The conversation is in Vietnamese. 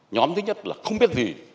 nhóm thứ nhất là không biết gì